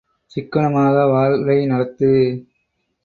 சிக்கனமாக வாழ்வை நடத்து.